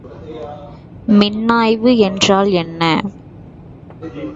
மின்னாய்வி என்றால் என்ன?